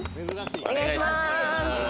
お願いします。